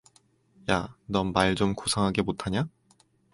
야, 넌 말 좀 고상하게 못 하냐?